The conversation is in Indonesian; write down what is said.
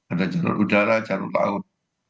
ada jalur udara jalur laut